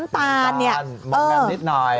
มักน้ำนิดนาย